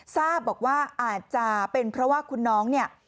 ทราบบอกว่าอาจจะเป็นเพราะว่าคุณน้องเนี่ย